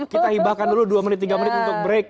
kita hibahkan dulu dua menit tiga menit untuk break